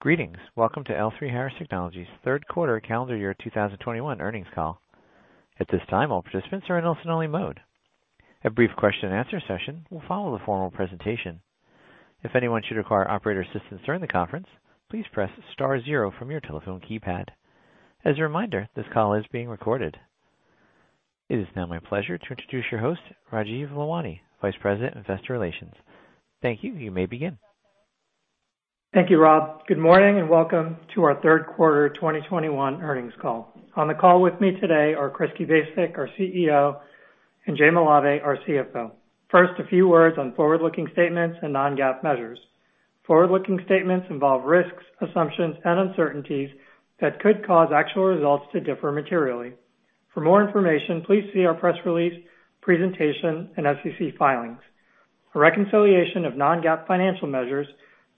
Greetings. Welcome to L3Harris Technologies third quarter calendar year 2021 earnings call. At this time, all participants are in listen-only mode. A brief question-and-answer session will follow the formal presentation. If anyone should require operator assistance during the conference, please press star zero from your telephone keypad. As a reminder, this call is being recorded. It is now my pleasure to introduce your host, Rajeev Lalwani, Vice President, Investor Relations. Thank you. You may begin. Thank you, Rob. Good morning, and welcome to our third quarter 2021 earnings call. On the call with me today are Chris Kubasik, our CEO, and Jay Malave, our CFO. First, a few words on forward-looking statements and non-GAAP measures. Forward-looking statements involve risks, assumptions, and uncertainties that could cause actual results to differ materially. For more information, please see our press release, presentation, and SEC filings. A reconciliation of non-GAAP financial measures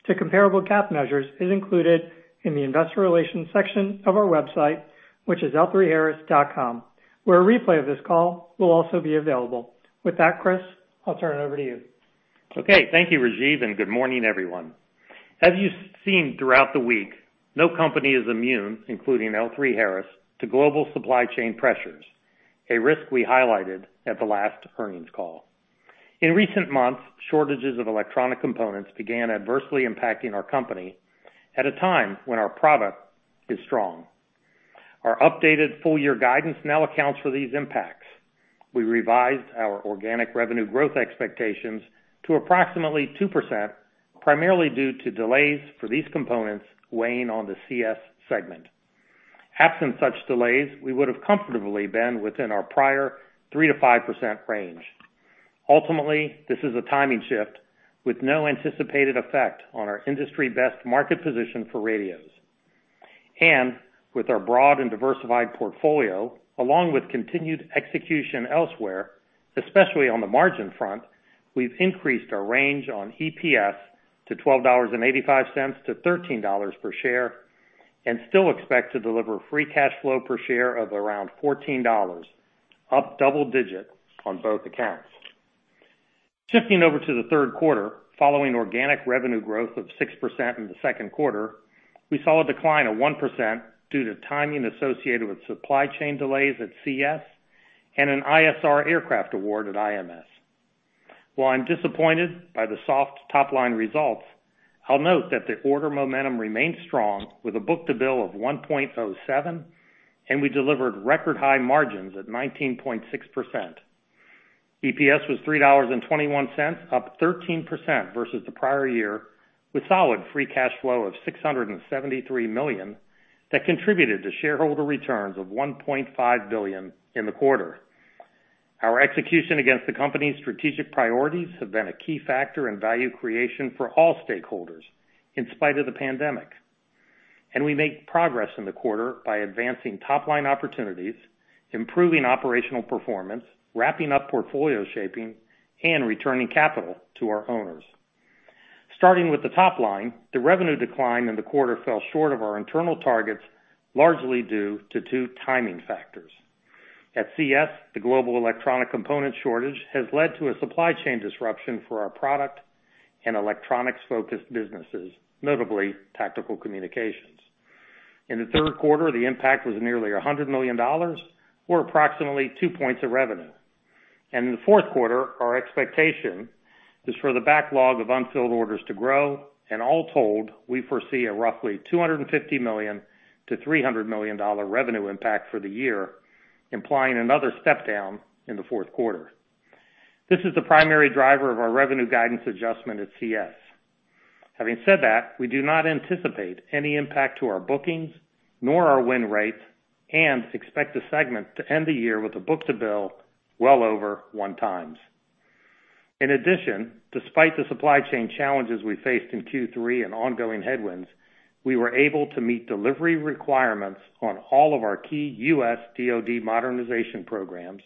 to comparable GAAP measures is included in the investor relations section of our website, which is l3harris.com, where a replay of this call will also be available. With that, Chris, I'll turn it over to you. Okay. Thank you, Rajeev, and good morning, everyone. As you've seen throughout the week, no company is immune, including L3Harris, to global supply chain pressures, a risk we highlighted at the last earnings call. In recent months, shortages of electronic components began adversely impacting our company at a time when our product is strong. Our updated full-year guidance now accounts for these impacts. We revised our organic revenue growth expectations to approximately 2%, primarily due to delays for these components weighing on the CS segment. Absent such delays, we would have comfortably been within our prior 3%-5% range. Ultimately, this is a timing shift with no anticipated effect on our industry-best market position for radios. With our broad and diversified portfolio, along with continued execution elsewhere, especially on the margin front, we've increased our range on EPS to $12.85-$13 per share, and still expect to deliver free cash flow per share of around $14, up double digit on both accounts. Shifting over to the third quarter, following organic revenue growth of 6% in the second quarter, we saw a decline of 1% due to timing associated with supply chain delays at CS and an ISR aircraft award at IMS. While I'm disappointed by the soft top-line results, I'll note that the order momentum remains strong with a book-to-bill of 1.07, and we delivered record-high margins at 19.6%. EPS was $3.21, up 13% versus the prior year, with solid free cash flow of $673 million that contributed to shareholder returns of $1.5 billion in the quarter. Our execution against the company's strategic priorities have been a key factor in value creation for all stakeholders in spite of the pandemic. We made progress in the quarter by advancing top-line opportunities, improving operational performance, wrapping up portfolio shaping, and returning capital to our owners. Starting with the top line, the revenue decline in the quarter fell short of our internal targets, largely due to two timing factors. At CS, the global electronic component shortage has led to a supply chain disruption for our product and electronics-focused businesses, notably Tactical Communications. In the third quarter, the impact was nearly $100 million, or approximately two points of revenue. In the fourth quarter, our expectation is for the backlog of unfilled orders to grow, and all told, we foresee a roughly $250 million-$300 million revenue impact for the year, implying another step down in the fourth quarter. This is the primary driver of our revenue guidance adjustment at CS. Having said that, we do not anticipate any impact to our bookings nor our win rates, and expect the segment to end the year with a book-to-bill well over one times. In addition, despite the supply chain challenges we faced in Q3 and ongoing headwinds, we were able to meet delivery requirements on all of our key US DoD modernization programs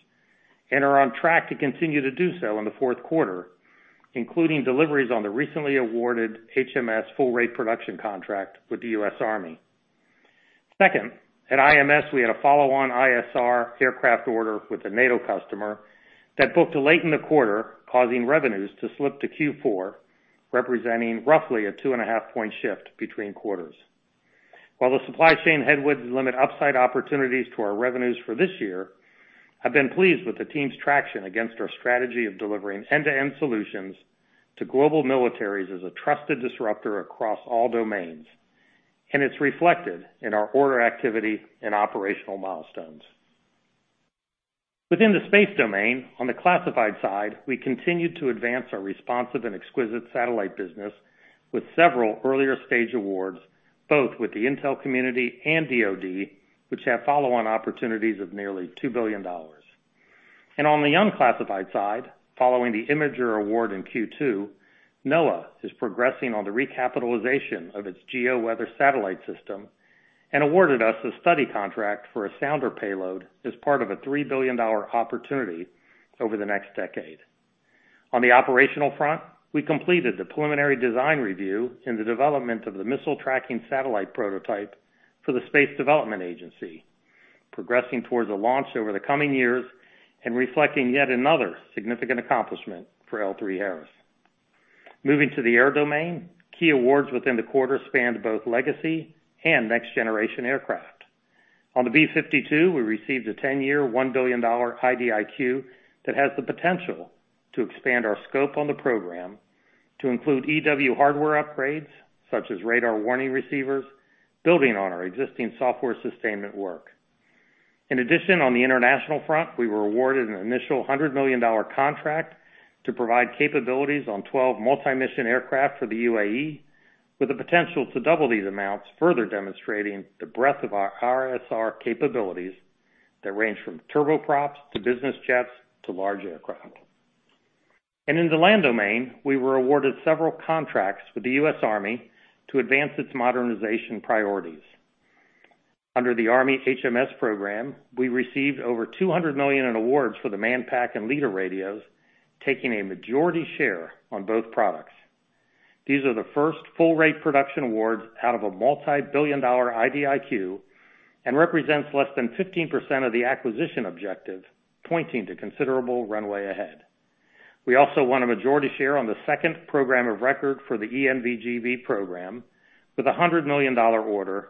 and are on track to continue to do so in the fourth quarter, including deliveries on the recently awarded HMS full rate production contract with the US Army. Second, at IMS, we had a follow-on ISR aircraft order with a NATO customer that booked late in the quarter, causing revenues to slip to Q4, representing roughly a 2.5-point shift between quarters. While the supply chain headwinds limit upside opportunities to our revenues for this year, I've been pleased with the team's traction against our strategy of delivering end-to-end solutions to global militaries as a trusted disruptor across all domains, and it's reflected in our order activity and operational milestones. Within the space domain, on the classified side, we continued to advance our responsive and exquisite satellite business with several earlier-stage awards, both with the intel community and DoD, which have follow-on opportunities of nearly $2 billion. On the unclassified side, following the imager award in Q2, NOAA is progressing on the recapitalization of its geo-weather satellite system and awarded us a study contract for a sounder payload as part of a $3 billion opportunity over the next decade. On the operational front, we completed the preliminary design review in the development of the missile tracking satellite prototype for the Space Development Agency, progressing towards a launch over the coming years and reflecting yet another significant accomplishment for L3Harris. Moving to the air domain, key awards within the quarter spanned both legacy and next generation aircraft. On the B-52, we received a 10-year, $1 billion IDIQ that has the potential to expand our scope on the program to include EW hardware upgrades, such as radar warning receivers, building on our existing software sustainment work. In addition, on the international front, we were awarded an initial $100 million contract to provide capabilities on 12 multi-mission aircraft for the UAE, with the potential to double these amounts, further demonstrating the breadth of our ISR capabilities that range from turboprops to business jets to large aircraft. In the land domain, we were awarded several contracts with the US Army to advance its modernization priorities. Under the Army HMS program, we received over $200 million in awards for the Manpack and Leader radios, taking a majority share on both products. These are the first full rate production awards out of a multi-billion-dollar IDIQ and represents less than 15% of the acquisition objective, pointing to considerable runway ahead. We also won a majority share on the second program of record for the ENVG-B program with a $100 million order,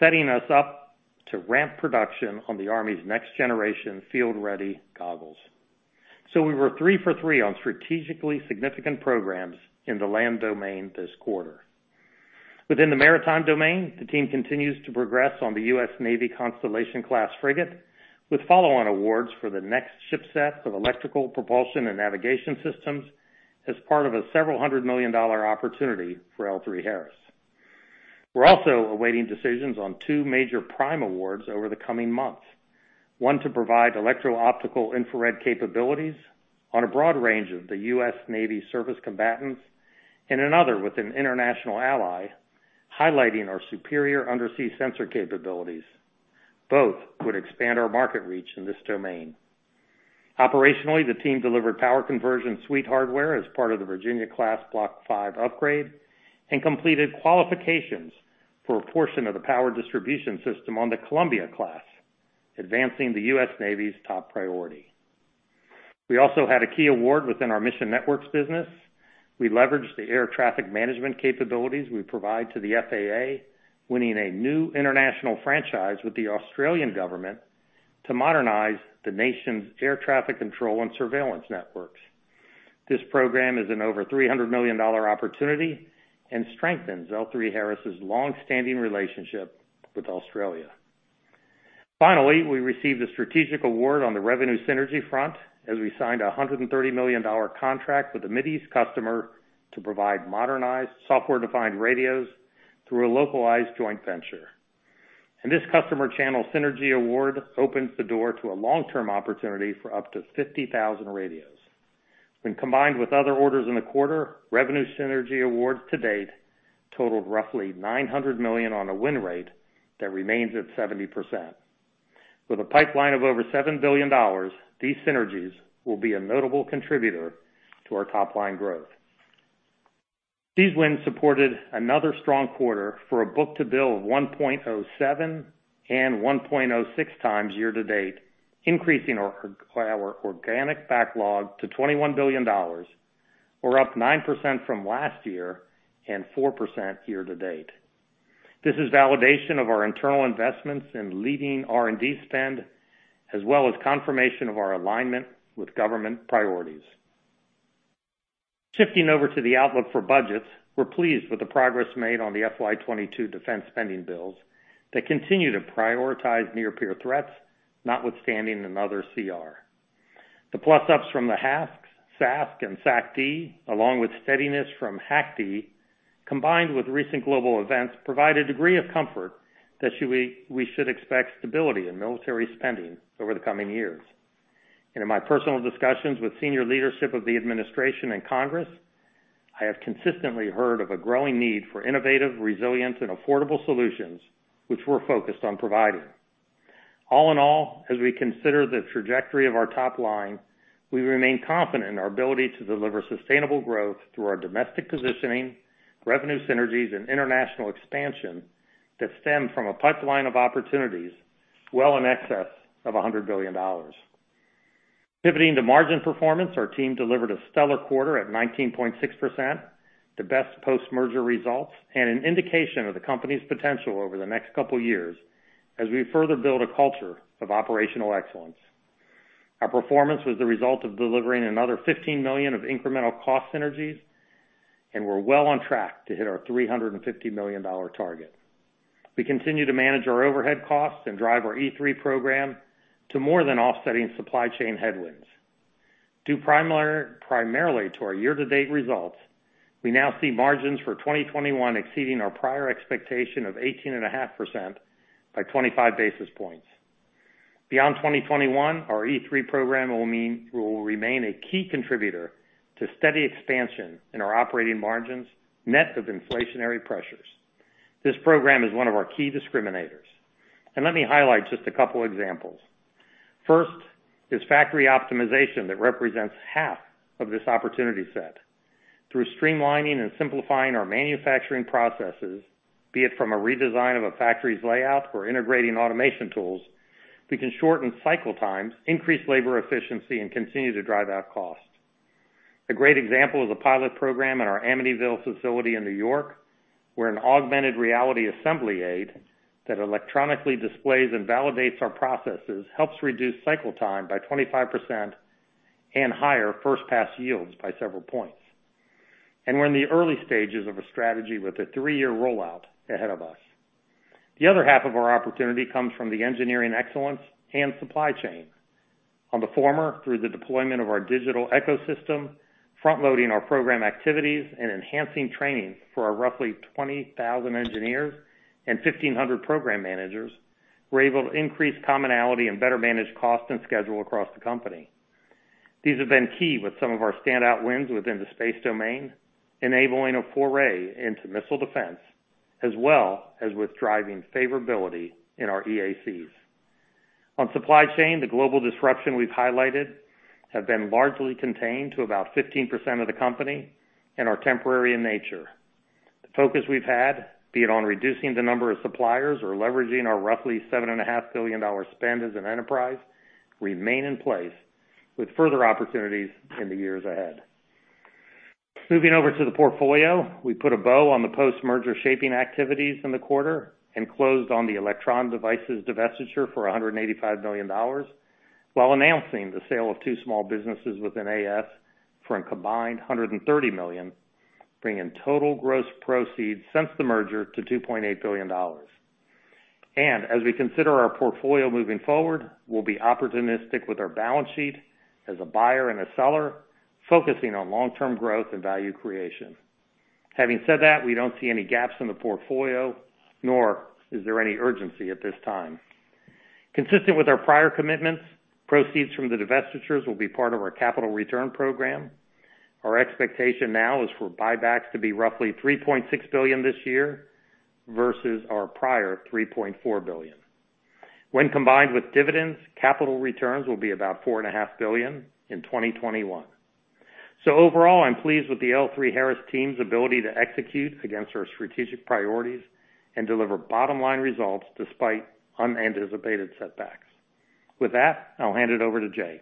setting us up to ramp production on the Army's next generation field-ready goggles. We were three for three on strategically significant programs in the land domain this quarter. Within the maritime domain, the team continues to progress on the US Navy Constellation-class frigate with follow-on awards for the next ship set of electrical propulsion and navigation systems as part of a several hundred million dollar opportunity for L3Harris. We're also awaiting decisions on two major prime awards over the coming months, one to provide electro-optical/infrared capabilities on a broad range of the US Navy service combatants and another with an international ally, highlighting our superior undersea sensor capabilities. Both would expand our market reach in this domain. Operationally, the team delivered power conversion suite hardware as part of the Virginia-class Block V upgrade and completed qualifications for a portion of the power distribution system on the Columbia-class, advancing the US Navy's top priority. We also had a key award within our mission networks business. We leveraged the air traffic management capabilities we provide to the FAA, winning a new international franchise with the Australian government to modernize the nation's air traffic control and surveillance networks. This program is an over $300 million opportunity and strengthens L3Harris's long-standing relationship with Australia. Finally, we received a strategic award on the revenue synergy front as we signed a $130 million contract with a Middle East customer to provide modernized software-defined radios through a localized joint venture. This customer channel synergy award opens the door to a long-term opportunity for up to 50,000 radios. When combined with other orders in the quarter, revenue synergy awards to date totaled roughly $900 million on a win rate that remains at 70%. With a pipeline of over $7 billion, these synergies will be a notable contributor to our top line growth. These wins supported another strong quarter for a book-to-bill of 1.07 and 1.06 times year-to-date, increasing our organic backlog to $21 billion, or up 9% from last year and 4% year-to-date. This is validation of our internal investments in leading R&D spend, as well as confirmation of our alignment with government priorities. Shifting over to the outlook for budgets, we're pleased with the progress made on the FY 2022 defense spending bills that continue to prioritize near peer threats, notwithstanding another CR. The plus-ups from the HASC, SASC, and SAC-D, along with steadiness from HAC-D, combined with recent global events, provide a degree of comfort that we should expect stability in military spending over the coming years. In my personal discussions with senior leadership of the administration and Congress, I have consistently heard of a growing need for innovative, resilient, and affordable solutions, which we're focused on providing. All in all, as we consider the trajectory of our top line, we remain confident in our ability to deliver sustainable growth through our domestic positioning, revenue synergies, and international expansion that stem from a pipeline of opportunities well in excess of $100 billion. Pivoting to margin performance, our team delivered a stellar quarter at 19.6%, the best post-merger results and an indication of the company's potential over the next couple years as we further build a culture of operational excellence. Our performance was the result of delivering another $15 million of incremental cost synergies, and we're well on track to hit our $350 million target. We continue to manage our overhead costs and drive our E3 program to more than offsetting supply chain headwinds. Due primarily to our year-to-date results, we now see margins for 2021 exceeding our prior expectation of 18.5% by 25 basis points. Beyond 2021, our E3 program will remain a key contributor to steady expansion in our operating margins net of inflationary pressures. This program is one of our key discriminators, and let me highlight just a couple examples. First is factory optimization that represents half of this opportunity set. Through streamlining and simplifying our manufacturing processes, be it from a redesign of a factory's layout or integrating automation tools, we can shorten cycle times, increase labor efficiency, and continue to drive out costs. A great example is a pilot program at our Amityville facility in New York, where an augmented reality assembly aid that electronically displays and validates our processes helps reduce cycle time by 25% and higher first pass yields by several points. We're in the early stages of a strategy with a three-year rollout ahead of us. The other half of our opportunity comes from the engineering excellence and supply chain. On the former, through the deployment of our digital ecosystem, front-loading our program activities, and enhancing training for our roughly 20,000 engineers and 1,500 program managers, we're able to increase commonality and better manage cost and schedule across the company. These have been key with some of our standout wins within the space domain, enabling a foray into missile defense, as well as with driving favorability in our EACs. On supply chain, the global disruption we've highlighted have been largely contained to about 15% of the company and are temporary in nature. The focus we've had, be it on reducing the number of suppliers or leveraging our roughly $7.5 billion spend as an enterprise, remain in place with further opportunities in the years ahead. Moving over to the portfolio, we put a bow on the post-merger shaping activities in the quarter and closed on the Electron Devices divestiture for $185 million while announcing the sale of two small businesses within AS for a combined $130 million, bringing total gross proceeds since the merger to $2.8 billion. As we consider our portfolio moving forward, we'll be opportunistic with our balance sheet as a buyer and a seller, focusing on long-term growth and value creation. Having said that, we don't see any gaps in the portfolio, nor is there any urgency at this time. Consistent with our prior commitments, proceeds from the divestitures will be part of our capital return program. Our expectation now is for buybacks to be roughly $3.6 billion this year versus our prior $3.4 billion. When combined with dividends, capital returns will be about $4.5 billion in 2021. Overall, I'm pleased with the L3Harris team's ability to execute against our strategic priorities and deliver bottom-line results despite unanticipated setbacks. With that, I'll hand it over to Jay.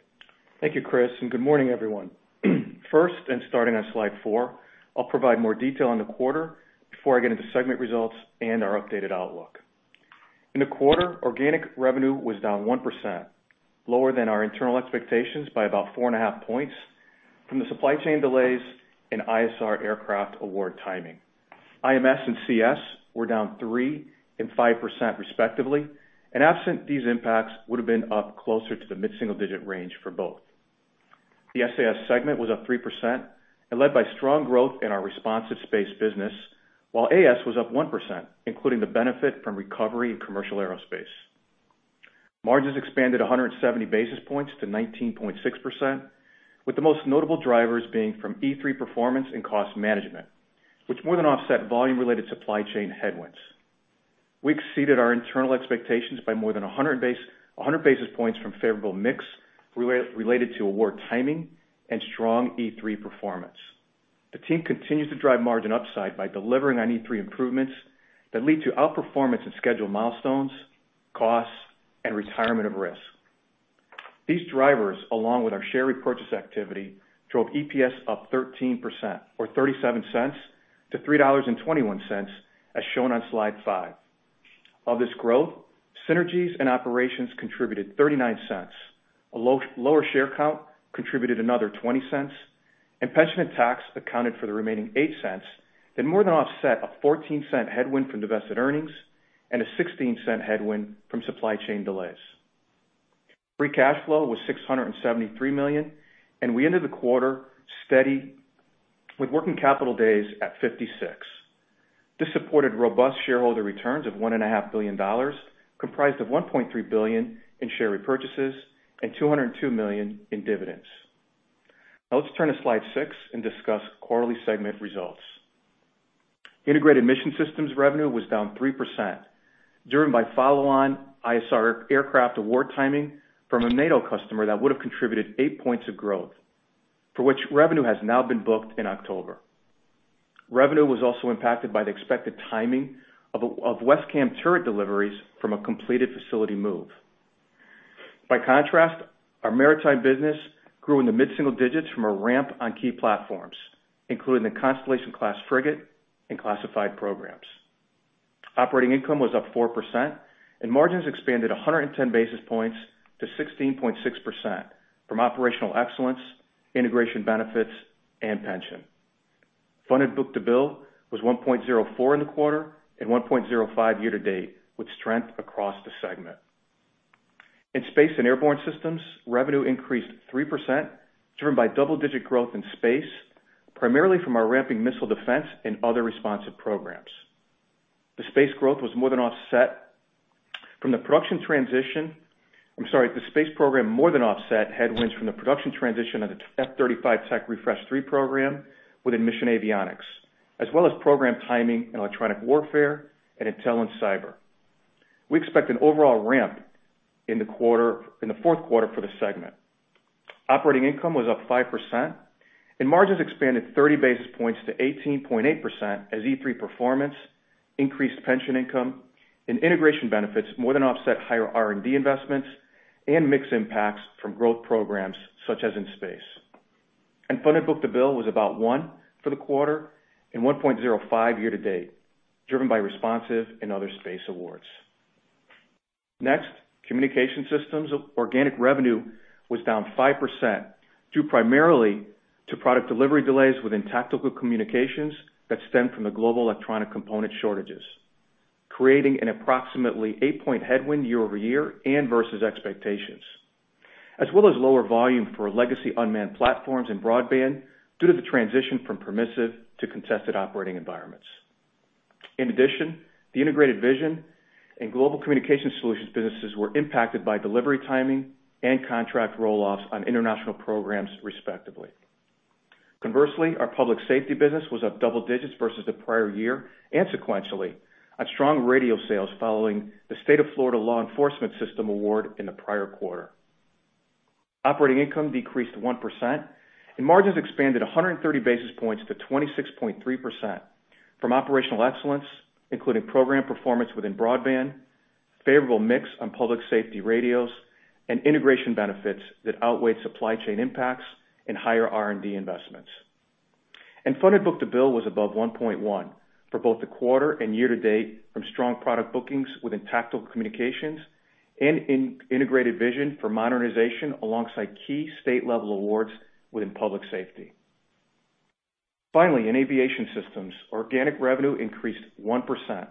Thank you, Chris, and good morning, everyone. First, starting on slide four, I'll provide more detail on the quarter before I get into segment results and our updated outlook. In the quarter, organic revenue was down 1%, lower than our internal expectations by about four and a half points from the supply chain delays in ISR aircraft award timing. IMS and CS were down 3% and 5% respectively, and absent these impacts would've been up closer to the mid-single-digit range for both. The SAS segment was up 3% and led by strong growth in our responsive space business, while AS was up 1%, including the benefit from recovery in commercial aerospace. Margins expanded 170 basis points to 19.6%, with the most notable drivers being from E3 performance and cost management, which more than offset volume-related supply chain headwinds. We exceeded our internal expectations by more than 100 basis points from favorable mix related to award timing and strong E3 performance. The team continues to drive margin upside by delivering on E3 improvements that lead to outperformance in scheduled milestones, costs, and retirement of risk. These drivers, along with our share repurchase activity, drove EPS up 13% or $0.37-$3.21, as shown on slide five. Of this growth, synergies and operations contributed $0.39, lower share count contributed another $0.20, and pension and tax accounted for the remaining $0.08 that more than offset a $0.14 headwind from divested earnings and a $0.16 headwind from supply chain delays. Free cash flow was $673 million, and we ended the quarter steady with working capital days at 56. This supported robust shareholder returns of $1.5 billion, comprised of $1.3 billion in share repurchases and $202 million in dividends. Now let's turn to slide six and discuss quarterly segment results. Integrated Mission Systems revenue was down 3%, driven by follow-on ISR aircraft award timing from a NATO customer that would've contributed eight points of growth, for which revenue has now been booked in October. Revenue was also impacted by the expected timing of WESCAM turret deliveries from a completed facility move. By contrast, our maritime business grew in the mid-single digits from a ramp on key platforms, including the Constellation-class frigate and classified programs. Operating income was up 4% and margins expanded 110 basis points to 16.6% from operational excellence, integration benefits, and pension. Funded book-to-bill was 1.04 in the quarter and 1.05 year-to-date, with strength across the segment. In Space and Airborne Systems, revenue increased 3%, driven by double-digit growth in space, primarily from our ramping missile defense and other responsive programs. The space program more than offset headwinds from the production transition of the F-35 Technology Refresh 3 program within Mission Avionics, as well as program timing and electronic warfare and Intel and Cyber. We expect an overall ramp in the quarter, in the fourth quarter for the segment. Operating income was up 5% and margins expanded 30 basis points to 18.8% as E3 performance increased pension income and integration benefits more than offset higher R&D investments and mix impacts from growth programs such as in space. Funded book-to-bill was about 1 for the quarter and 1.05 year-to-date, driven by responsive and other space awards. Next, communication systems. Organic revenue was down 5% due primarily to product delivery delays within Tactical Communications that stem from the global electronic component shortages, creating an approximately eight-point headwind year-over-year and versus expectations, as well as lower volume for legacy unmanned platforms and Broadband due to the transition from permissive to contested operating environments. In addition, the Integrated Vision and Global Communication Solutions businesses were impacted by delivery timing and contract roll-offs on international programs, respectively. Conversely, our Public Safety business was up double digits versus the prior year and sequentially on strong radio sales following the State of Florida Law Enforcement System award in the prior quarter. Operating income decreased 1% and margins expanded 130 basis points to 26.3% from operational excellence, including program performance within broadband, favorable mix on Public Safety radios and integration benefits that outweighed supply chain impacts and higher R&D investments. Funded book-to-bill was above 1.1 for both the quarter and year-to-date from strong product bookings within Tactical Communications and in Integrated Vision for modernization alongside key state-level awards within Public Safety. Finally, in Aviation Systems, organic revenue increased 1% from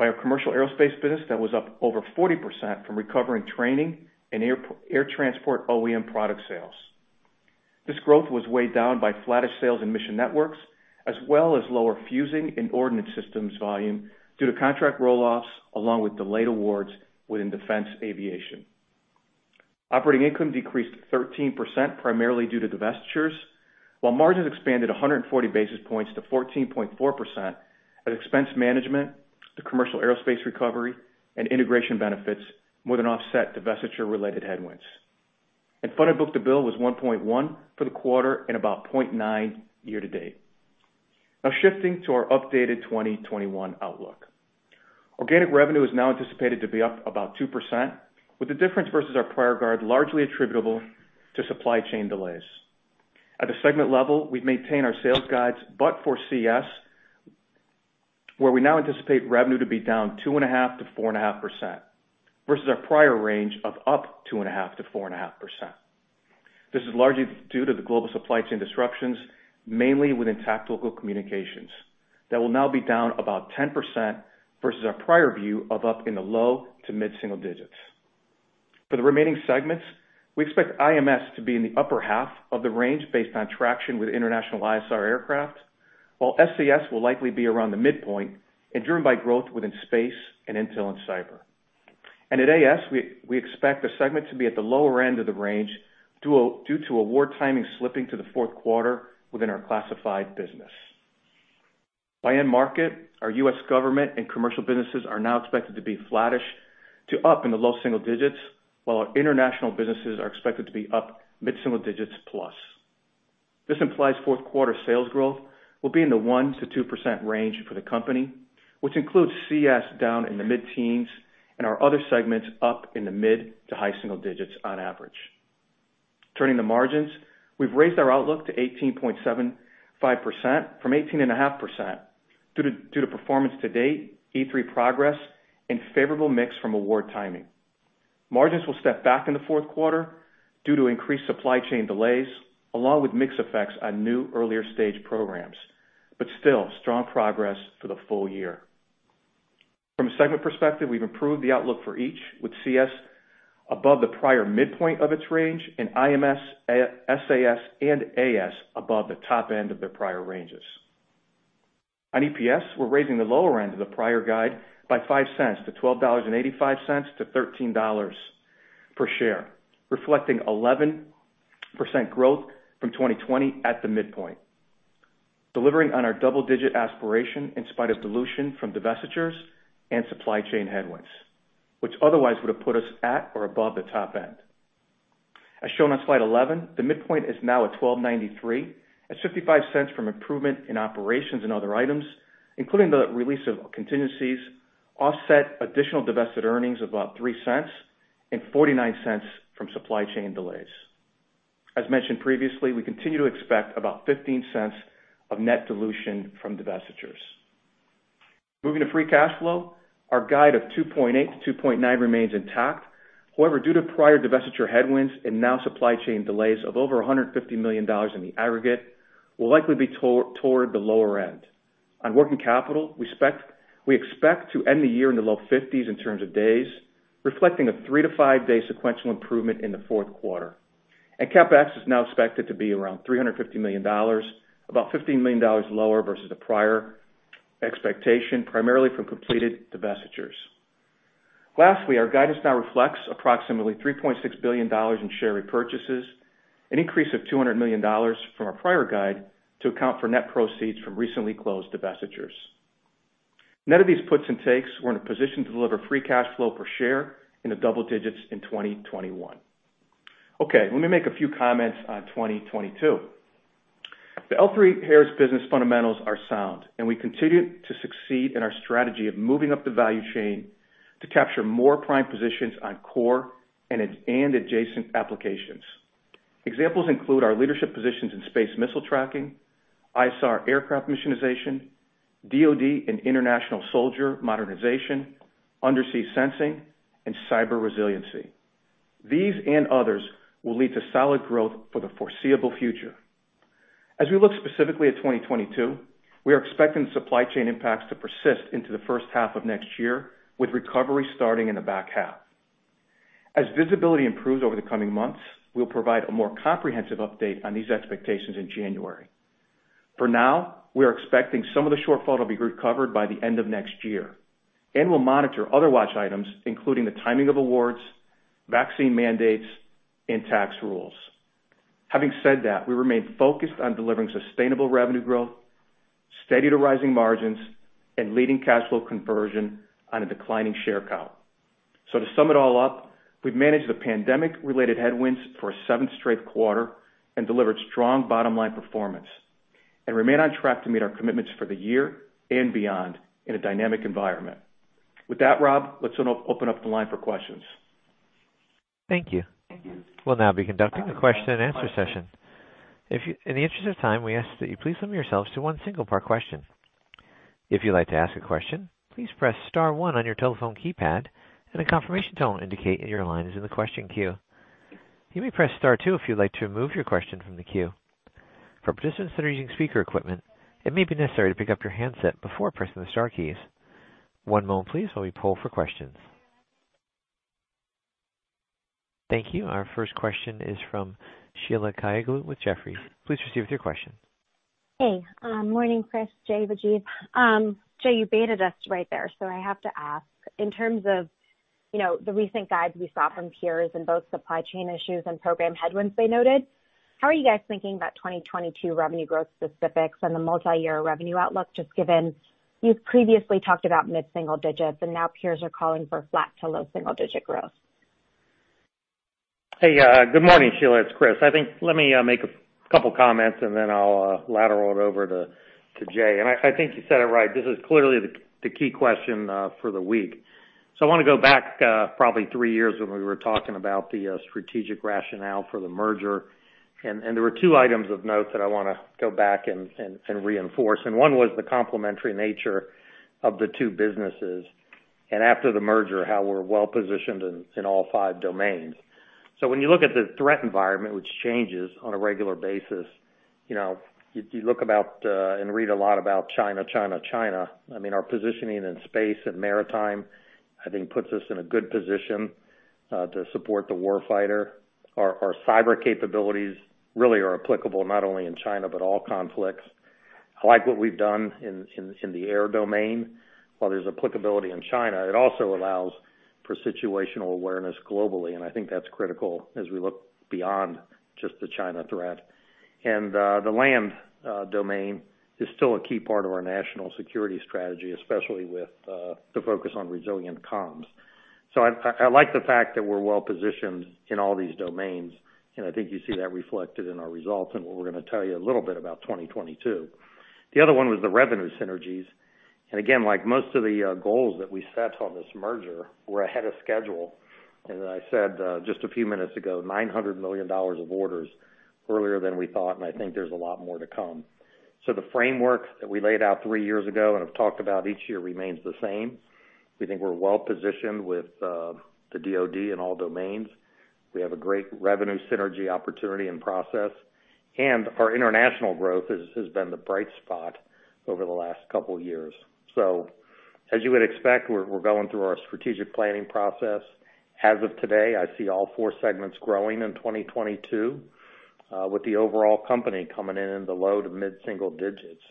our commercial aerospace business that was up over 40% from recovering training and air transport OEM product sales. This growth was weighed down by flattish sales in Mission Networks, as well as lower fuzing and ordnance systems volume due to contract roll-offs along with delayed awards within Defense Aviation. Operating income decreased 13% primarily due to divestitures, while margins expanded 140 basis points to 14.4% as expense management, the commercial aerospace recovery and integration benefits more than offset divestiture related headwinds. Funded book-to-bill was 1.1 for the quarter and about 0.9 year-to-date. Now shifting to our updated 2021 outlook. Organic revenue is now anticipated to be up about 2%, with the difference versus our prior guard largely attributable to supply chain delays. At a segment level, we've maintained our sales guides, but for CS, where we now anticipate revenue to be down 2.5%-4.5% versus our prior range of up 2.5%-4.5%. This is largely due to the global supply chain disruptions, mainly within Tactical Communications that will now be down about 10% versus our prior view of up in the low- to mid-single digits. For the remaining segments, we expect IMS to be in the upper half of the range based on traction with international ISR aircraft, while SAS will likely be around the midpoint and driven by growth within space and Intel and Cyber. At AS, we expect the segment to be at the lower end of the range due to award timing slipping to the fourth quarter within our classified business. By end market, our US government and commercial businesses are now expected to be flattish to up in the low-single digits, while our international businesses are expected to be up mid-single digits plus. This implies fourth quarter sales growth will be in the 1%-2% range for the company, which includes CS down in the mid-teens and our other segments up in the mid to high single digits on average. Turning to margins, we've raised our outlook to 18.75% from 18.5% due to performance to date, E3 progress and favorable mix from award timing. Margins will step back in the fourth quarter due to increased supply chain delays along with mix effects on new earlier stage programs, but still strong progress for the full year. From a segment perspective, we've improved the outlook for each, with CS above the prior midpoint of its range and IMS, SAS and AS above the top end of their prior ranges. On EPS, we're raising the lower end of the prior guide by $0.05 to $12.85-$13 per share, reflecting 11% growth from 2020 at the midpoint, delivering on our double-digit aspiration in spite of dilution from divestitures and supply chain headwinds, which otherwise would have put us at or above the top end. As shown on slide 11, the midpoint is now at $12.93. That's $0.55 from improvement in operations and other items, including the release of contingencies, offset by additional divested earnings of about $0.03 and $0.49 from supply chain delays. As mentioned previously, we continue to expect about $0.15 of net dilution from divestitures. Moving to free cash flow. Our guide of $2.8-$2.9 remains intact. However, due to prior divestiture headwinds and now supply chain delays of over $150 million in the aggregate will likely be toward the lower end. On working capital, we expect to end the year in the low 50s in terms of days, reflecting a three- to five-day sequential improvement in the fourth quarter. CapEx is now expected to be around $350 million, about $15 million lower versus the prior expectation, primarily from completed divestitures. Lastly, our guidance now reflects approximately $3.6 billion in share repurchases, an increase of $200 million from our prior guide to account for net proceeds from recently closed divestitures. Net of these puts and takes, we're in a position to deliver free cash flow per share in the double digits in 2021. Okay, let me make a few comments on 2022. The L3Harris business fundamentals are sound, and we continue to succeed in our strategy of moving up the value chain to capture more prime positions on core and adjacent applications. Examples include our leadership positions in space missile tracking, ISR aircraft missionization, DoD and international soldier modernization, undersea sensing, and cyber resiliency. These and others will lead to solid growth for the foreseeable future. As we look specifically at 2022, we are expecting supply chain impacts to persist into the first half of next year, with recovery starting in the back half. As visibility improves over the coming months, we'll provide a more comprehensive update on these expectations in January. For now, we are expecting some of the shortfall to be recovered by the end of next year, and we'll monitor other watch items, including the timing of awards, vaccine mandates, and tax rules. Having said that, we remain focused on delivering sustainable revenue growth, steady to rising margins, and leading cash flow conversion on a declining share count. To sum it all up, we've managed the pandemic-related headwinds for a seventh straight quarter and delivered strong bottom-line performance and remain on track to meet our commitments for the year and beyond in a dynamic environment. With that, Rob, let's open up the line for questions. Thank you. We'll now be conducting a question-and-answer session. In the interest of time, we ask that you please limit yourselves to one single part question. If you like to ask a question, please press star one on your telephone keypad and a confirmation tone indicate that your line is on the question queue. You may press star two if you'd like to remove your question from the queue. For pressing equipment, it may be necessary to pick up your handset before pressing the star keys. One moment please while we pool for questions. Thank you. Our first question is from Sheila Kahyaoglu with Jefferies. Please proceed with your question. Hey. Morning, Chris, Jay, Rajeev. Jay, you baited us right there, so I have to ask. In terms of the recent guides we saw from peers and both supply chain issues and program headwinds they noted, how are you guys thinking about 2022 revenue growth specifics and the multi-year revenue outlook, just given you've previously talked about mid-single digits, and now peers are calling for flat to low single-digit growth? Hey, good morning, Sheila. It's Chris. I think let me make a couple comments, and then I'll lateral it over to Jay. I think you said it right. This is clearly the key question for the week. I wanna go back probably three years when we were talking about the strategic rationale for the merger. There were two items of note that I wanna go back and reinforce. One was the complementary nature of the two businesses, and after the merger, how we're well positioned in all five domains. When you look at the threat environment, which changes on a regular basis, you know, you look about and read a lot about China. I mean, our positioning in space and maritime, I think, puts us in a good position to support the war fighter. Our cyber capabilities really are applicable not only in China, but all conflicts. I like what we've done in the air domain. While there's applicability in China, it also allows for situational awareness globally, and I think that's critical as we look beyond just the China threat. The land domain is still a key part of our national security strategy, especially with the focus on resilient comms. I like the fact that we're well positioned in all these domains, and I think you see that reflected in our results and what we're gonna tell you a little bit about 2022. The other one was the revenue synergies. Again, like most of the goals that we set on this merger, we're ahead of schedule. As I said, just a few minutes ago, $900 million of orders earlier than we thought, and I think there's a lot more to come. The framework that we laid out three years ago and have talked about each year remains the same. We think we're well positioned with the DoD in all domains. We have a great revenue synergy opportunity and process, and our international growth has been the bright spot over the last couple years. As you would expect, we're going through our strategic planning process. As of today, I see all four segments growing in 2022, with the overall company coming in in the low- to mid-single digits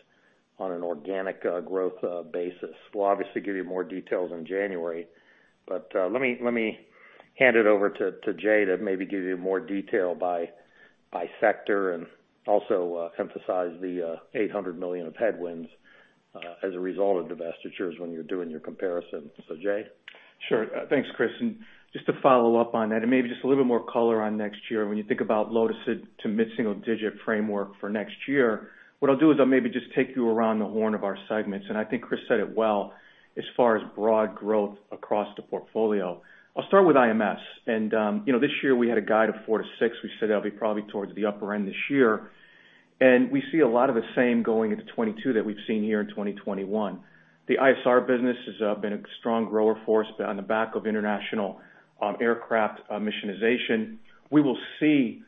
on an organic growth basis. We'll obviously give you more details in January. Let me hand it over to Jay to maybe give you more detail by sector and also emphasize the $800 million of headwinds as a result of divestitures when you're doing your comparison. Jay? Sure. Thanks, Chris. Just to follow up on that and maybe just a little bit more color on next year. When you think about low to mid-single digit framework for next year, what I'll do is I'll maybe just take you around the horn of our segments. I think Chris said it well as far as broad growth across the portfolio. I'll start with IMS. You know, this year we had a guide of 4-6. We said that'll be probably towards the upper end this year. We see a lot of the same going into 2022 that we've seen here in 2021. The ISR business has been a strong grower for us on the back of international aircraft missionization. We will see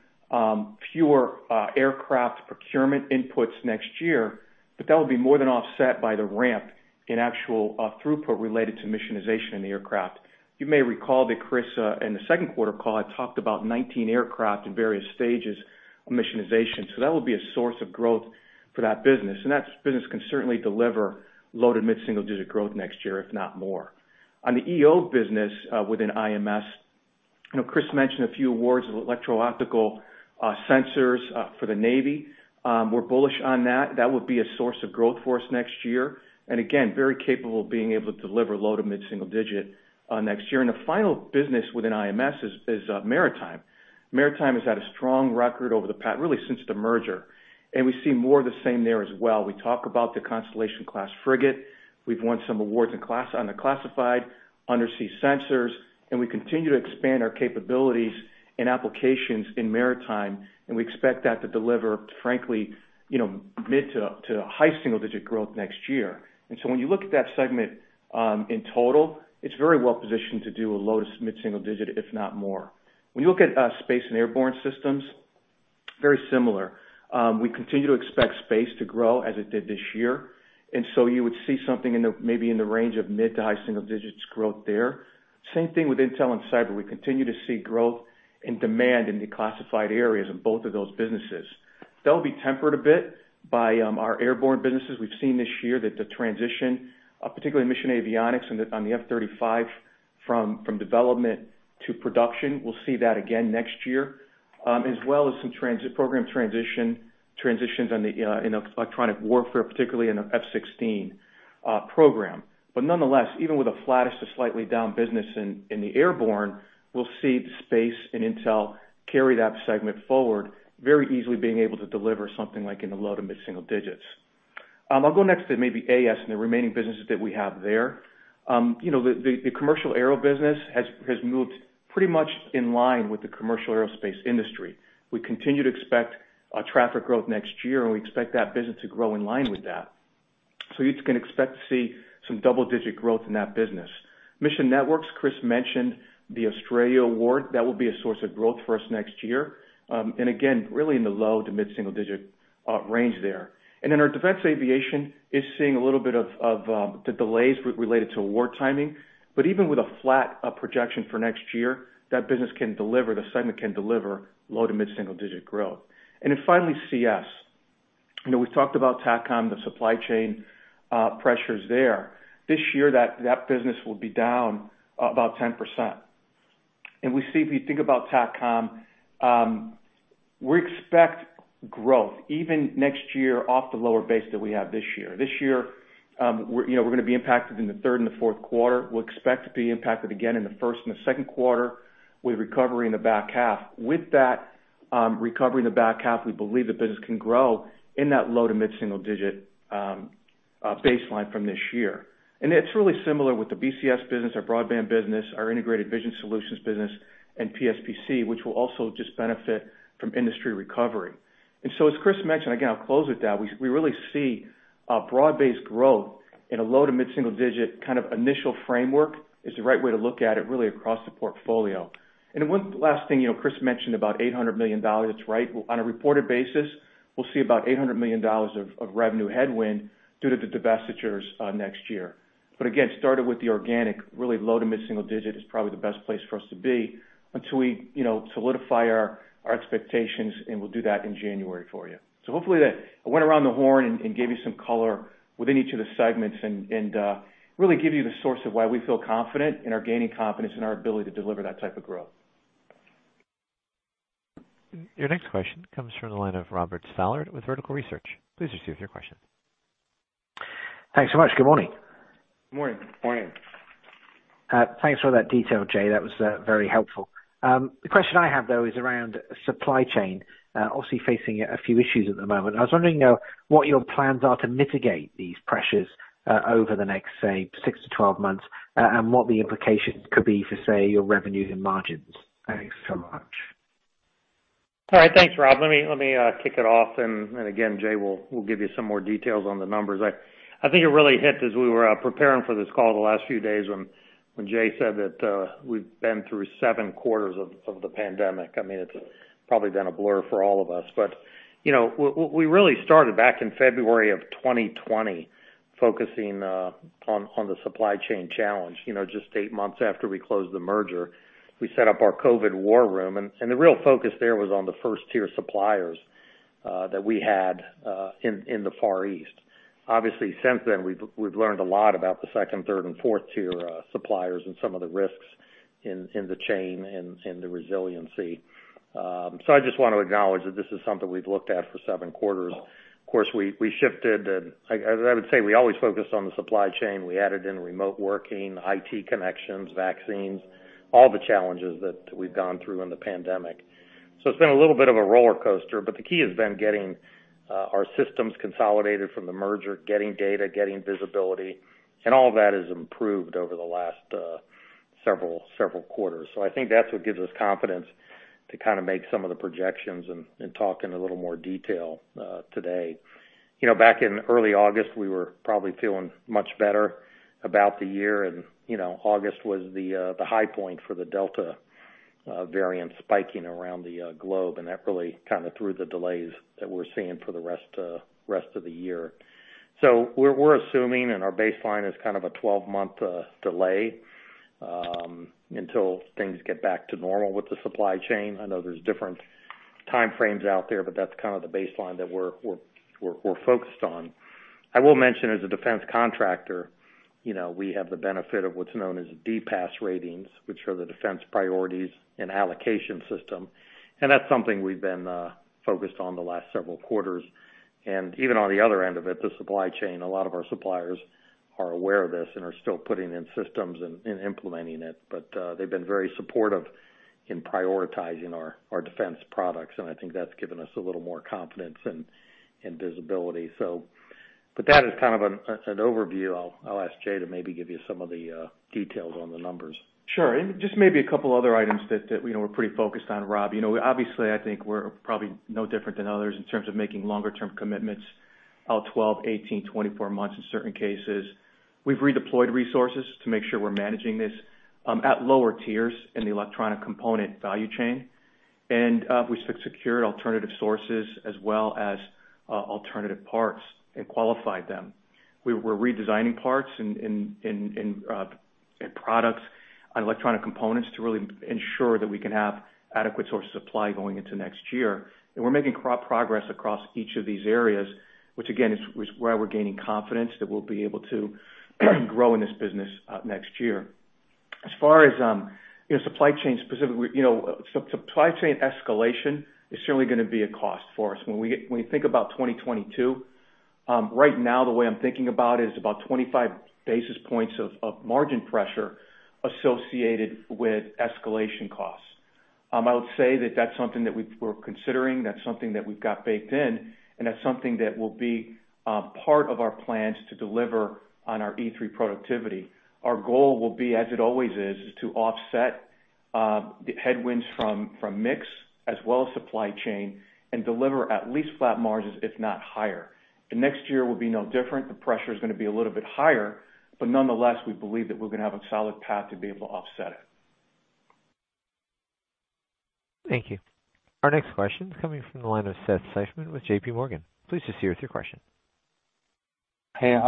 fewer aircraft procurement inputs next year, but that will be more than offset by the ramp in actual throughput related to missionization in the aircraft. You may recall that Chris in the second quarter call had talked about 19 aircraft in various stages of missionization. That will be a source of growth for that business. That business can certainly deliver low- to mid-single-digit growth next year, if not more. On the EO business within IMS. You know, Chris mentioned a few awards of electro-optical sensors for the Navy. We're bullish on that. That would be a source of growth for us next year. Again, very capable of being able to deliver low- to mid-single-digit next year. The final business within IMS is maritime. Maritime has had a strong record over the past really, since the merger, and we see more of the same there as well. We talk about the Constellation-class frigate. We've won some awards in class on the classified undersea sensors, and we continue to expand our capabilities in applications in maritime, and we expect that to deliver, frankly, mid- to high-single-digit growth next year. When you look at that segment, in total, it's very well positioned to do a low- to mid-single-digit, if not more. When you look at Space and Airborne Systems, very similar. We continue to expect Space to grow as it did this year, so you would see something in the maybe in the range of mid- to high-single-digits growth there. Same thing with Intel and Cyber. We continue to see growth and demand in the classified areas in both of those businesses. That'll be tempered a bit by our Airborne businesses. We've seen this year that the transition particularly Mission Avionics on the F-35 from development to production, we'll see that again next year as well as some program transitions in electronic warfare, particularly in the F-16 program. Nonetheless, even with a flattish to slightly down business in the Airborne, we'll see Space and Intel carry that segment forward, very easily being able to deliver something like in the low- to mid-single digits. I'll go next to maybe AS and the remaining businesses that we have there. You know, the commercial aero business has moved pretty much in line with the commercial aerospace industry. We continue to expect traffic growth next year, and we expect that business to grow in line with that. You can expect to see some double-digit growth in that business. Mission Networks, Chris mentioned the Australia award. That will be a source of growth for us next year. Again, really in the low- to mid-single-digit range there. Then our Defense Aviation is seeing a little bit of the delays related to award timing. Even with a flat projection for next year, that business can deliver, the segment can deliver low- to mid-single-digit growth. Then finally, CS. You know, we've talked about TACCOM, the supply chain pressures there. This year, that business will be down about 10%. We see, if you think about TACCOM, we expect growth even next year off the lower base that we have this year. This year, you know, we're gonna be impacted in the third and the fourth quarter. We'll expect to be impacted again in the first and the second quarter, with recovery in the back half. With that recovery in the back half, we believe the business can grow in that low- to mid-single-digit baseline from this year. It's really similar with the BCS business, our broadband business, our Integrated Vision Solutions business and PSPC, which will also just benefit from industry recovery. As Chris mentioned, again, I'll close with that, we really see a broad-based growth in a low- to mid-single-digit kind of initial framework is the right way to look at it, really across the portfolio. One last thing, you know, Chris mentioned about $800 million. That's right. On a reported basis, we'll see about $800 million of revenue headwind due to the divestitures next year. Again, started with the organic, really low- to mid-single-digit is probably the best place for us to be until we, you know, solidify our expectations, and we'll do that in January for you. Hopefully that I went around the horn and gave you some color within each of the segments and really give you the source of why we feel confident and are gaining confidence in our ability to deliver that type of growth. Your next question comes from the line of Robert Stallard with Vertical Research. Please proceed with your question. Thanks so much. Good morning. Good morning. Good morning. Thanks for that detail, Jay. That was very helpful. The question I have, though, is around supply chain, obviously facing a few issues at the moment. I was wondering, though, what your plans are to mitigate these pressures over the next, say, 6-12 months, and what the implications could be for, say, your revenues and margins. Thanks so much. All right. Thanks, Rob. Let me kick it off, and again, Jay will give you some more details on the numbers. I think it really hits as we were preparing for this call the last few days when Jay said that, we've been through seven quarters of the pandemic. I mean, it's probably been a blur for all of us. You know, we really started back in February of 2020 focusing on the supply chain challenge. You know, just eight months after we closed the merger, we set up our COVID war room, and the real focus there was on the first-tier suppliers that we had in the Far East. Obviously, since then, we've learned a lot about the second, third and fourth tier suppliers and some of the risks in the chain and in the resiliency. I just want to acknowledge that this is something we've looked at for seven quarters. Of course, we shifted. As I would say, we always focus on the supply chain. We added in remote working, IT connections, vaccines, all the challenges that we've gone through in the pandemic. It's been a little bit of a roller coaster, but the key has been getting our systems consolidated from the merger, getting data, getting visibility, and all that has improved over the last several quarters. I think that's what gives us confidence to kind of make some of the projections and talk in a little more detail today. You know, back in early August, we were probably feeling much better about the year. You know, August was the high point for the Delta variant spiking around the globe, and that really kind of threw the delays that we're seeing for the rest of the year. We're assuming, and our baseline is kind of a 12-month delay until things get back to normal with the supply chain. I know there's different time frames out there, but that's kind of the baseline that we're focused on. I will mention as a defense contractor, you know, we have the benefit of what's known as DPAS ratings, which are the Defense Priorities and Allocations System. That's something we've been focused on the last several quarters. Even on the other end of it, the supply chain, a lot of our suppliers are aware of this and are still putting in systems and implementing it. They've been very supportive in prioritizing our defense products, and I think that's given us a little more confidence and visibility. That is kind of an overview. I'll ask Jay to maybe give you some of the details on the numbers. Sure. Just maybe a couple other items that you know, we're pretty focused on, Rob. You know, obviously I think we're probably no different than others in terms of making longer term commitments, out 12, 18, 24 months in certain cases. We've redeployed resources to make sure we're managing this at lower tiers in the electronic component value chain. We secured alternative sources as well as alternative parts and qualified them. We're redesigning parts in products on electronic components to really ensure that we can have adequate source of supply going into next year. We're making good progress across each of these areas, which again is why we're gaining confidence that we'll be able to grow in this business next year. As far as, you know, supply chain specifically, you know, supply chain escalation is certainly gonna be a cost for us. When we think about 2022, right now, the way I'm thinking about it is about 25 basis points of margin pressure associated with escalation costs. I would say that that's something that we're considering, that's something that we've got baked in, and that's something that will be part of our plans to deliver on our E3 productivity. Our goal will be, as it always is, to offset the headwinds from mix as well as supply chain and deliver at least flat margins, if not higher. The next year will be no different. The pressure is gonna be a little bit higher, but nonetheless, we believe that we're gonna have a solid path to be able to offset it. Thank you. Our next question is coming from the line of Seth Seifman with JPMorgan. Please go ahead with your question. Hey,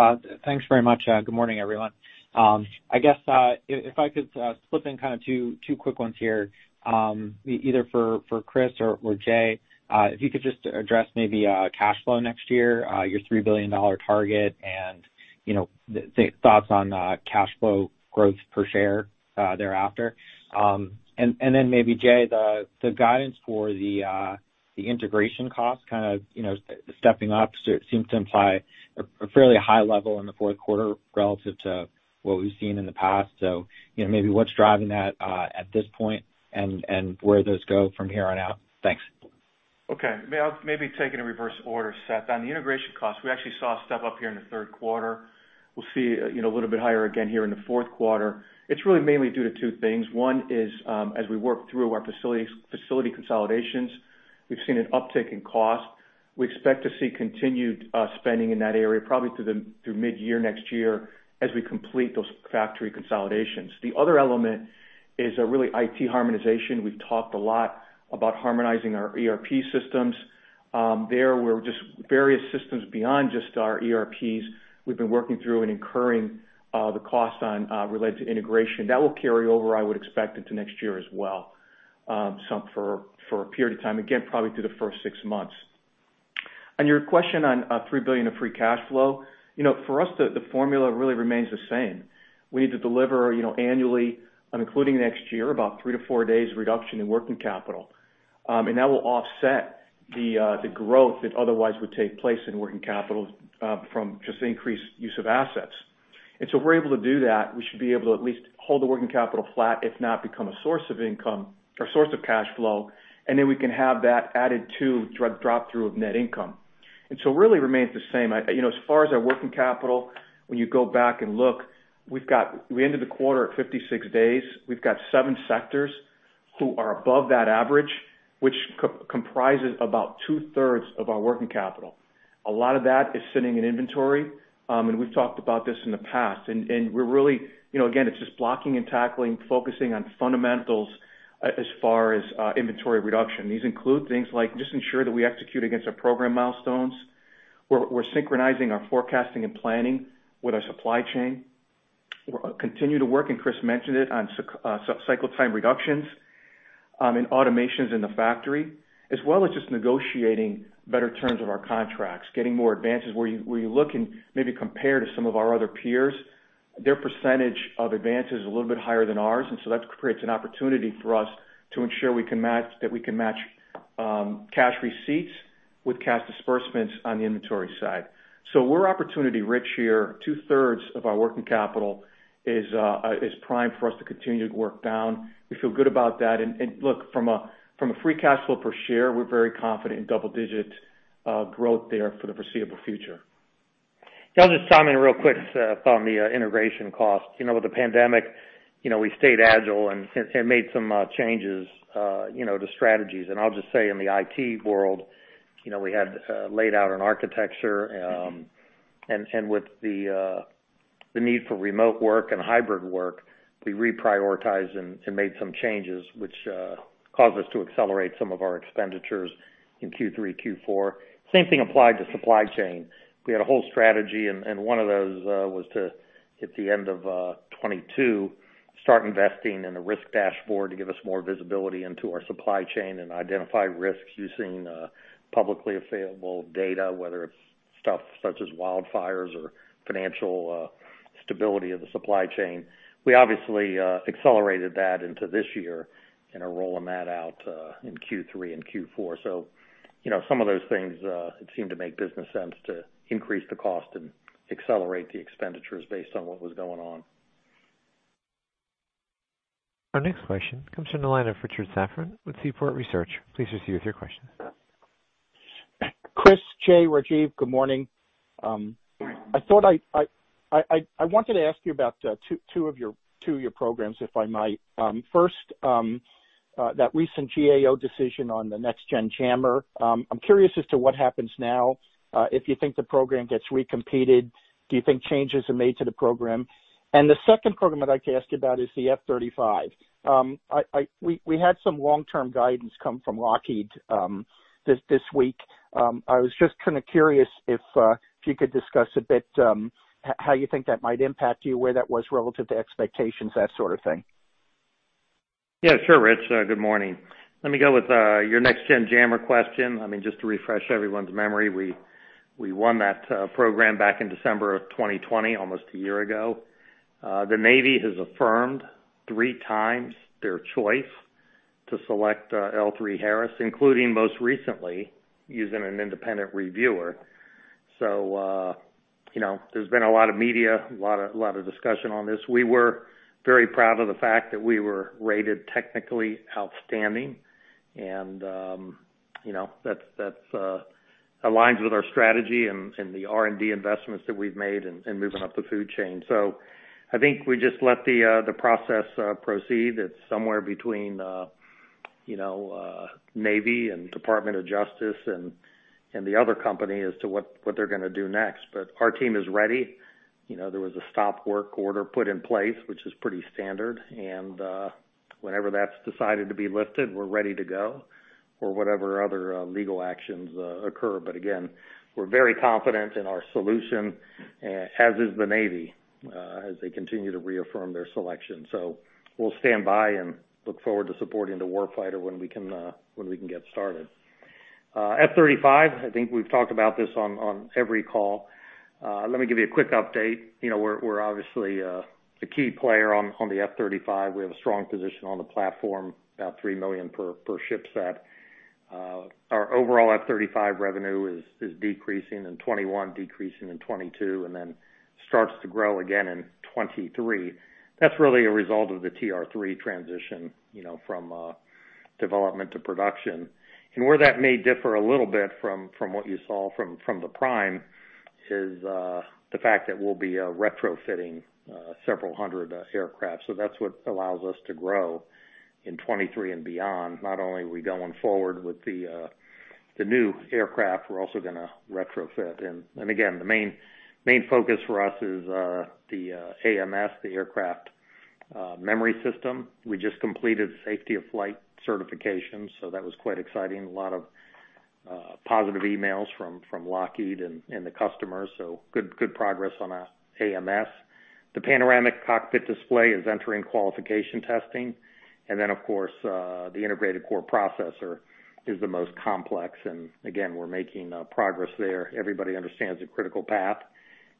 thanks very much. Good morning, everyone. I guess if I could slip in kind of two quick ones here, either for Chris or Jay. If you could just address maybe cash flow next year, your $3 billion target and, you know, the thoughts on cash flow growth per share thereafter. And then maybe Jay, the guidance for the integration costs kind of, you know, stepping up so it seems to imply a fairly high level in the fourth quarter relative to what we've seen in the past. You know, maybe what's driving that at this point and where those go from here on out? Thanks. Okay. I'll maybe take it in reverse order, Seth. On the integration cost, we actually saw a step up here in the third quarter. We'll see, you know, a little bit higher again here in the fourth quarter. It's really mainly due to two things. One is, as we work through our facility consolidations, we've seen an uptick in cost. We expect to see continued spending in that area probably through mid-year next year as we complete those factory consolidations. The other element is a real IT harmonization. We've talked a lot about harmonizing our ERP systems. There were just various systems beyond just our ERPs we've been working through and incurring the costs on related to integration. That will carry over, I would expect, into next year as well, for a period of time, again, probably through the first six months. On your question on $3 billion of free cash flow, you know, for us the formula really remains the same. We need to deliver, you know, annually, including next year, about three to four days reduction in working capital. That will offset the growth that otherwise would take place in working capital from just increased use of assets. If we're able to do that, we should be able to at least hold the working capital flat, if not become a source of income or source of cash flow, and then we can have that added to drop through of net income. It really remains the same. You know, as far as our working capital, when you go back and look, we ended the quarter at 56 days. We've got seven sectors who are above that average, which comprises about 2/3 of our working capital. A lot of that is sitting in inventory, and we've talked about this in the past. We're really, you know, again, it's just blocking and tackling, focusing on fundamentals as far as inventory reduction. These include things like just ensure that we execute against our program milestones. We're synchronizing our forecasting and planning with our supply chain. We're continuing to work, and Chris mentioned it, on cycle time reductions and automations in the factory, as well as just negotiating better terms of our contracts, getting more advances where you look and maybe compare to some of our other peers, their percentage of advances a little bit higher than ours. That creates an opportunity for us to ensure we can match cash receipts with cash disbursements on the inventory side. We're opportunity rich here. Two-thirds of our working capital is primed for us to continue to work down. We feel good about that. Look, from a free cash flow per share, we're very confident in double digit growth there for the foreseeable future. Yeah, I'll just chime in real quick, Seth, on the integration cost. You know, with the pandemic, you know, we stayed agile and made some changes, you know, to strategies. I'll just say in the IT world, you know, we had laid out an architecture and with the need for remote work and hybrid work, we reprioritized and made some changes which caused us to accelerate some of our expenditures in Q3, Q4. Same thing applied to supply chain. We had a whole strategy and one of those was to, at the end of 2022, start investing in a risk dashboard to give us more visibility into our supply chain and identify risks using publicly available data, whether it's stuff such as wildfires or financial stability of the supply chain. We obviously accelerated that into this year and are rolling that out in Q3 and Q4. You know, some of those things, it seemed to make business sense to increase the cost and accelerate the expenditures based on what was going on. Our next question comes from the line of Richard Safran with Seaport Research. Please proceed with your question. Chris, Jay, Rajeev, good morning. I thought I wanted to ask you about two of your programs, if I might. First, that recent GAO decision on the Next Generation Jammer, I'm curious as to what happens now, if you think the program gets recompeted, do you think changes are made to the program? The second program I'd like to ask you about is the F-35. We had some long-term guidance come from Lockheed this week. I was just kind of curious if you could discuss a bit, how you think that might impact you, where that was relative to expectations, that sort of thing? Yeah, sure, Rich. Good morning. Let me go with your Next Generation Jammer question. I mean, just to refresh everyone's memory, we won that program back in December of 2020, almost a year ago. The Navy has affirmed three times their choice to select L3Harris, including most recently using an independent reviewer. You know, there's been a lot of media, a lot of discussion on this. We were very proud of the fact that we were rated technically outstanding and, you know, that's aligns with our strategy and the R&D investments that we've made in moving up the food chain. I think we just let the process proceed. It's somewhere between, you know, Navy and Department of Justice and the other company as to what they're gonna do next. Our team is ready. You know, there was a stop work order put in place, which is pretty standard. Whenever that's decided to be lifted, we're ready to go or whatever other legal actions occur. Again, we're very confident in our solution, as is the Navy, as they continue to reaffirm their selection. We'll stand by and look forward to supporting the war fighter when we can get started. F-35, I think we've talked about this on every call. Let me give you a quick update. You know, we're obviously the key player on the F-35. We have a strong position on the platform, about $3 million per ship set. Our overall F-35 revenue is decreasing in 2021, decreasing in 2022, and then starts to grow again in 2023. That's really a result of the TR3 transition, you know, from development to production. Where that may differ a little bit from what you saw from the Prime is the fact that we'll be retrofitting several hundred aircraft. That's what allows us to grow in 2023 and beyond. Not only are we going forward with the new aircraft, we're also gonna retrofit. Again, the main focus for us is the AMS, the Aircraft Memory System. We just completed safety of flight certification, so that was quite exciting. A lot of positive emails from Lockheed and the customers, so good progress on AMS. The panoramic cockpit display is entering qualification testing. Of course, the integrated core processor is the most complex. Again, we're making progress there. Everybody understands the critical path.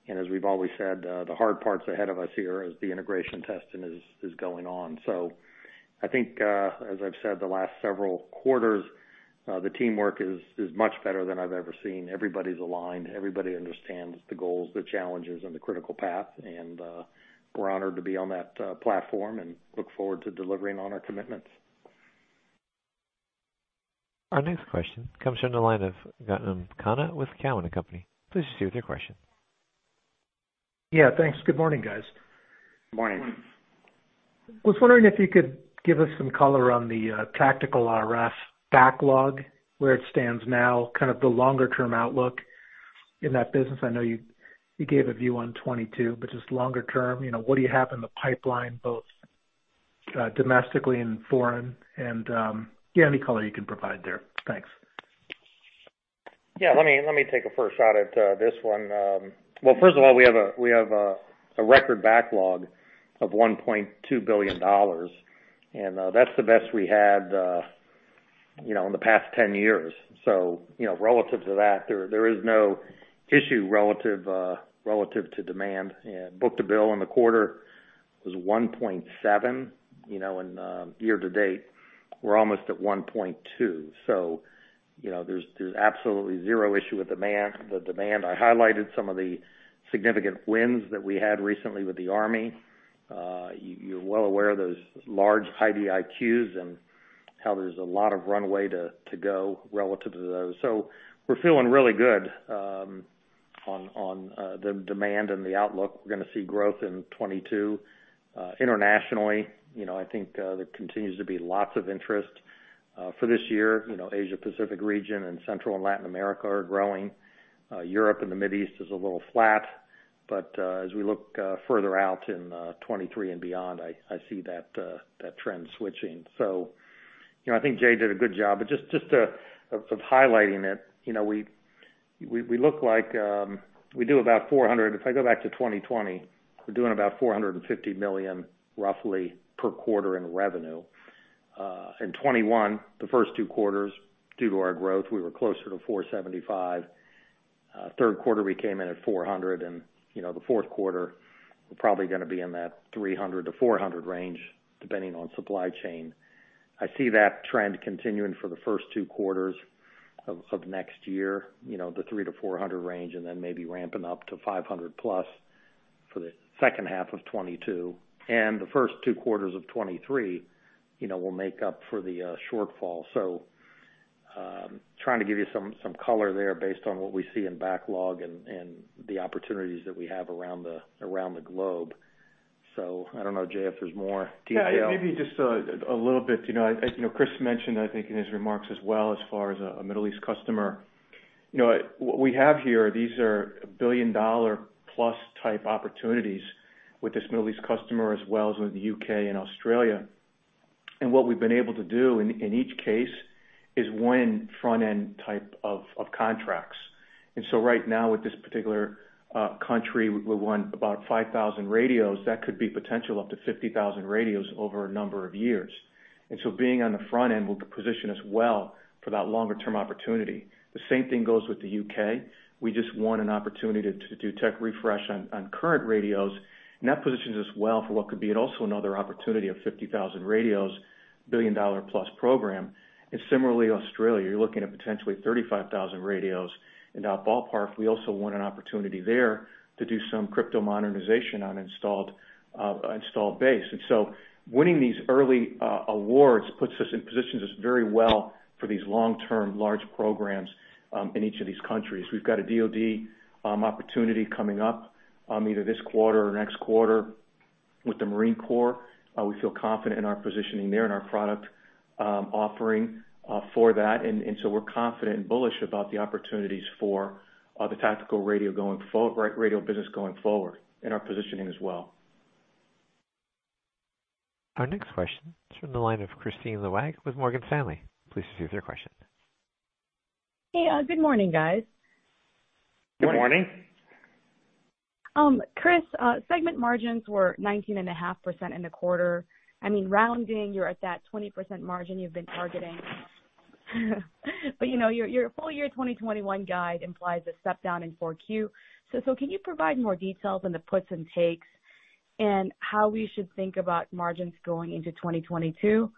As we've always said, the hard part's ahead of us here as the integration testing is going on. I think, as I've said the last several quarters, the teamwork is much better than I've ever seen. Everybody's aligned, everybody understands the goals, the challenges, and the critical path. We're honored to be on that platform and look forward to delivering on our commitments. Our next question comes from the line of Gautam Khanna with Cowen and Company. Please proceed with your question. Yeah. Thanks. Good morning, guys. Morning. Was wondering if you could give us some color on the tactical RF backlog, where it stands now, kind of the longer term outlook in that business? I know you gave a view on 2022, but just longer term, you know, what do you have in the pipeline, both domestically and foreign. Yeah, any color you can provide there. Thanks. Yeah, let me take a first shot at this one. Well, first of all, we have a record backlog of $1.2 billion, and that's the best we had, you know, in the past 10 years. You know, relative to that, there is no issue relative to demand. Book-to-bill in the quarter was 1.7. You know, year-to-date, we're almost at 1.2. You know, there's absolutely zero issue with demand, the demand. I highlighted some of the significant wins that we had recently with the Army. You're well aware of those large IDIQs and how there's a lot of runway to go relative to those. We're feeling really good on the demand and the outlook. We're gonna see growth in 2022. Internationally, you know, I think there continues to be lots of interest for this year. You know, Asia Pacific region and Central and Latin America are growing. Europe and the Middle East is a little flat, but as we look further out in 2023 and beyond, I see that trend switching. You know, I think Jay did a good job. Just of highlighting it, you know, we look like we do about $400 million. If I go back to 2020, we're doing about $450 million roughly per quarter in revenue. In 2021, the first two quarters, due to our growth, we were closer to $475 million. Third quarter, we came in at $400, and you know, the fourth quarter, we're probably gonna be in that $300-$400 range depending on supply chain. I see that trend continuing for the first two quarters of next year, you know, the $300-$400 range and then maybe ramping up to $500+ for the second half of 2022. The first two quarters of 2023, you know, will make up for the shortfall. Trying to give you some color there based on what we see in backlog and the opportunities that we have around the globe. I don't know, Jay, if there's more detail. Yeah. Maybe just a little bit, you know, as you know, Chris mentioned, I think in his remarks as well as far as a Middle East customer. You know, what we have here, these are billion-dollar plus type opportunities with this Middle East customer as well as with the U.K. and Australia. What we've been able to do in each case is win front-end type of contracts. Right now with this particular country, we won about 5,000 radios. That could be potential up to 50,000 radios over a number of years. Being on the front end will position us well for that longer term opportunity. The same thing goes with the U.K. We just won an opportunity to do tech refresh on current radios, and that positions us well for what could be also another opportunity of 50,000 radios, billion-dollar plus program. Similarly, Australia, you're looking at potentially 35,000 radios. In our ballpark, we also won an opportunity there to do some crypto modernization on installed base. Winning these early awards puts us and positions us very well for these long-term large programs in each of these countries. We've got a DoD opportunity coming up either this quarter or next quarter with the Marine Corps. We feel confident in our positioning there and our product offering for that. We're confident and bullish about the opportunities for the tactical radio business going forward and our positioning as well. Our next question is from the line of Kristine Liwag with Morgan Stanley. Please proceed with your question. Hey, good morning, guys. Good morning. Good morning. Chris, segment margins were 19.5% in the quarter. I mean, rounding, you're at that 20% margin you've been targeting. But, you know, your full year 2021 guide implies a step down in Q4. So can you provide more details on the puts and takes and how we should think about margins going into 2022?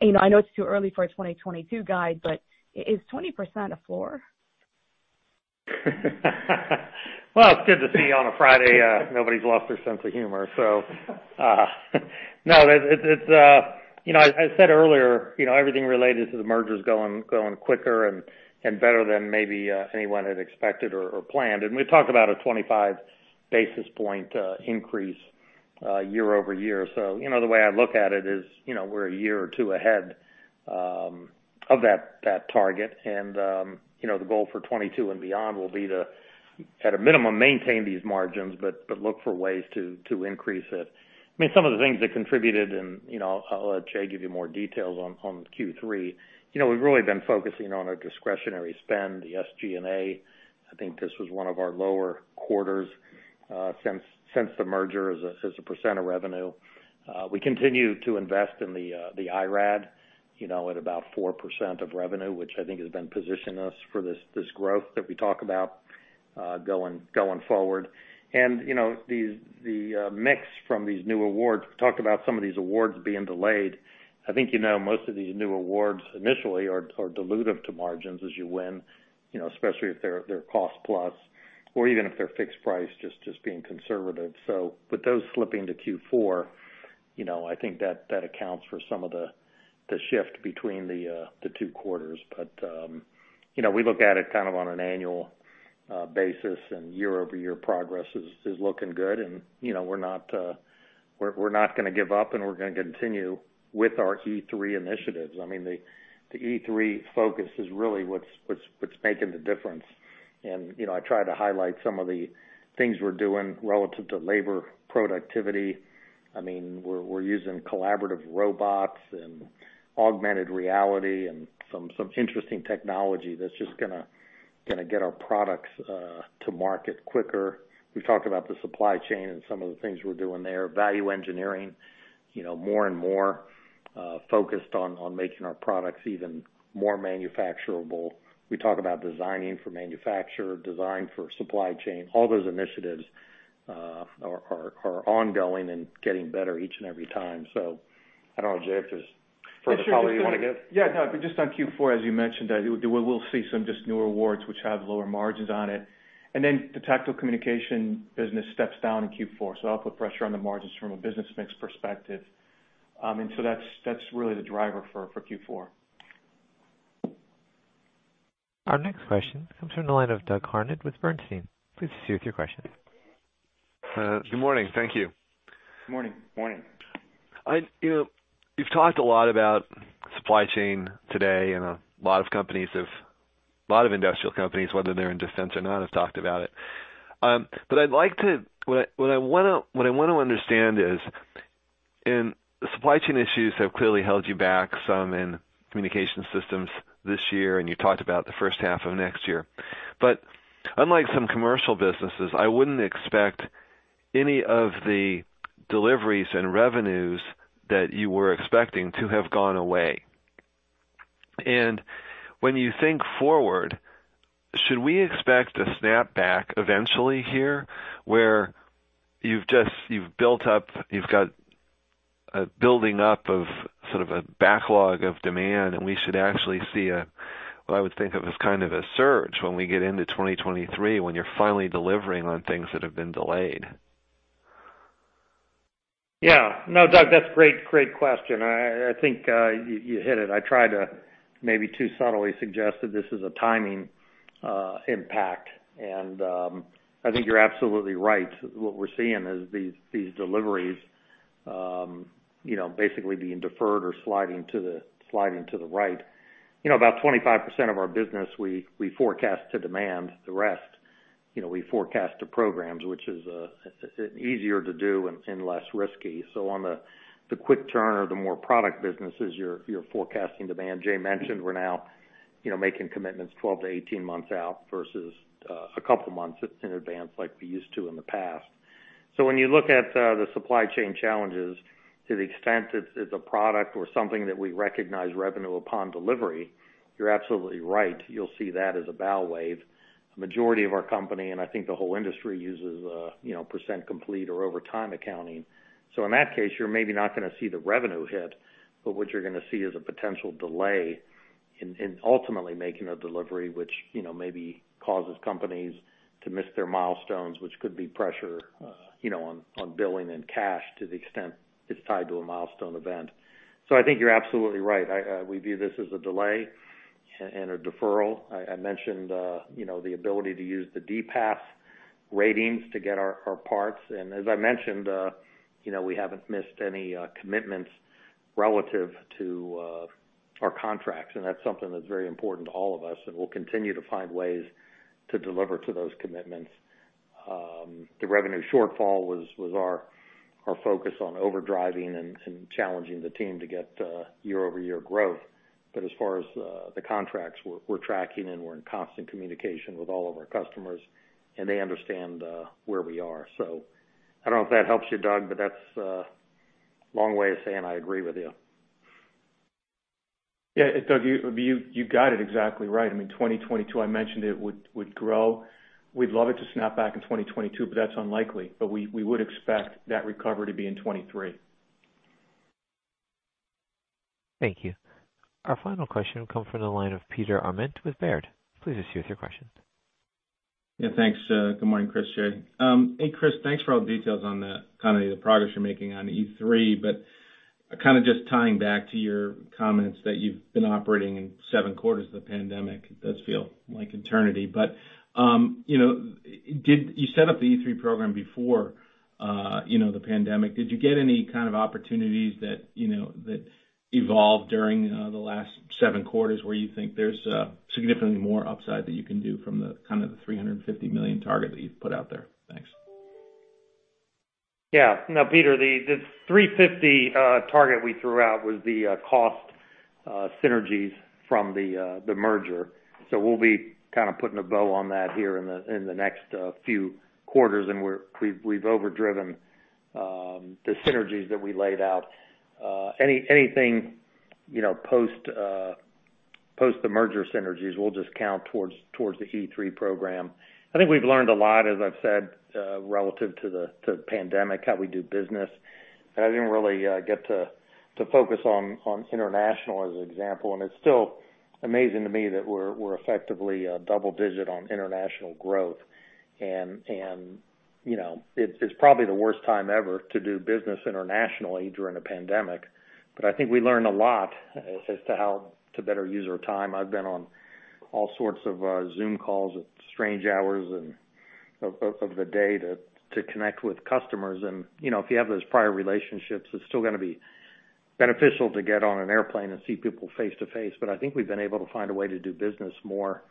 You know, I know it's too early for a 2022 guide, but is 20% a floor? Well, it's good to see on a Friday, nobody's lost their sense of humor. No, it's you know, as I said earlier, you know, everything related to the merger's going quicker and better than maybe anyone had expected or planned. We talked about a 25 basis point increase year-over-year. You know, the way I look at it is, you know, we're a year or two ahead of that target. You know, the goal for 2022 and beyond will be to, at a minimum, maintain these margins, but look for ways to increase it. I mean, some of the things that contributed, and you know, I'll let Jay give you more details on Q3. You know, we've really been focusing on our discretionary spend, the SG&A. I think this was one of our lower quarters since the merger as a percent of revenue. We continue to invest in the IRAD, you know, at about 4% of revenue, which I think has been positioning us for this growth that we talk about going forward. You know, the mix from these new awards, we talked about some of these awards being delayed. I think, you know, most of these new awards initially are dilutive to margins as you win, you know, especially if they're cost plus or even if they're fixed price, just being conservative. With those slipping to Q4, you know, I think that accounts for some of the shift between the two quarters. You know, we look at it kind of on an annual basis, and year-over-year progress is looking good. You know, we're not gonna give up, and we're gonna continue with our E3 initiatives. I mean, the E3 focus is really what's making the difference. You know, I try to highlight some of the things we're doing relative to labor productivity. I mean, we're using collaborative robots and augmented reality and some interesting technology that's just gonna get our products to market quicker. We've talked about the supply chain and some of the things we're doing there. Value engineering, you know, more and more focused on making our products even more manufacturable. We talk about designing for manufacturing, design for supply chain. All those initiatives are ongoing and getting better each and every time. I don't know, Jay, if there's further color you wanna give. Yeah, no, but just on Q4, as you mentioned, we'll see some just new awards which have lower margins on it, and then the Tactical Communications business steps down in Q4. That'll put pressure on the margins from a business mix perspective. That's really the driver for Q4. Our next question comes from the line of Doug Harned with Bernstein. Please proceed with your question. Good morning. Thank you. Good morning. Morning. You know, you've talked a lot about supply chain today, and a lot of industrial companies, whether they're in defense or not, have talked about it. What I wanna understand is supply chain issues have clearly held you back some in communication systems this year, and you talked about the first half of next year. Unlike some commercial businesses, I wouldn't expect any of the deliveries and revenues that you were expecting to have gone away. When you think forward, should we expect a snap back eventually here where you've got a building up of sort of a backlog of demand, and we should actually see a, what I would think of as kind of a surge when we get into 2023 when you're finally delivering on things that have been delayed? Yeah. No, Doug, that's a great question. I think you hit it. I tried to maybe too subtly suggest that this is a timing impact. I think you're absolutely right. What we're seeing is these deliveries, you know, basically being deferred or sliding to the right. You know, about 25% of our business we forecast to demand. The rest, you know, we forecast to programs, which is easier to do and less risky. On the quick turn or the more product businesses, you're forecasting demand. Jay mentioned we're now, you know, making commitments 12-18 months out versus a couple months in advance like we used to in the past. When you look at the supply chain challenges, to the extent it's a product or something that we recognize revenue upon delivery, you're absolutely right, you'll see that as a bow wave. The majority of our company, and I think the whole industry uses, you know, percent complete or over time accounting. In that case, you're maybe not gonna see the revenue hit, but what you're gonna see is a potential delay in ultimately making a delivery, which, you know, maybe causes companies to miss their milestones, which could be pressure, you know, on billing and cash to the extent it's tied to a milestone event. I think you're absolutely right. I we view this as a delay and a deferral. I mentioned, you know, the ability to use the DPAS ratings to get our parts. As I mentioned, you know, we haven't missed any commitments relative to our contracts, and that's something that's very important to all of us, and we'll continue to find ways to deliver to those commitments. The revenue shortfall was our focus on overdriving and challenging the team to get year-over-year growth. As far as the contracts, we're tracking and we're in constant communication with all of our customers, and they understand where we are. I don't know if that helps you, Doug, but that's a long way of saying I agree with you. Yeah. Doug, you got it exactly right. I mean, 2022, I mentioned it would grow. We'd love it to snap back in 2022, but that's unlikely. We would expect that recovery to be in 2023. Thank you. Our final question will come from the line of Peter Arment with Baird. Please proceed with your question. Yeah, thanks. Good morning, Chris, Jay. Hey, Chris, thanks for all the details on the kind of the progress you're making on E3, but kind of just tying back to your comments that you've been operating in seven quarters of the pandemic, does feel like eternity. You know, did you set up the E3 program before, you know, the pandemic. Did you get any kind of opportunities that, you know, that evolved during the last seven quarters where you think there's significantly more upside that you can do from the kind of the $350 million target that you've put out there? Thanks. Yeah. No, Peter, this $350 target we threw out was the cost synergies from the merger. We'll be kind of putting a bow on that here in the next few quarters, and we've overdriven the synergies that we laid out. Anything, you know, post-merger synergies will just count towards the E3 program. I think we've learned a lot, as I've said, relative to the pandemic, how we do business. I didn't really get to focus on international as an example, and it's still amazing to me that we're effectively double-digit on international growth. You know, it's probably the worst time ever to do business internationally during a pandemic. I think we learned a lot as to how to better use our time. I've been on all sorts of Zoom calls at strange hours of the day to connect with customers. You know, if you have those prior relationships, it's still gonna be beneficial to get on an airplane and see people face-to-face. I think we've been able to find a way to do business more